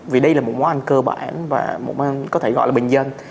vì đây là một món ăn cơ bản và một món ăn có thể gọi là bình dân